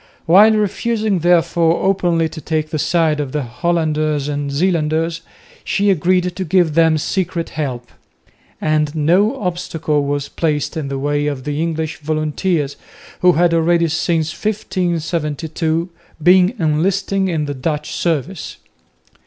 While refusing therefore openly to take the side of the Hollanders and Zeelanders, she agreed to give them secret help; and no obstacle was placed in the way of the English volunteers, who had already since 1572 been enlisting in the Dutch service.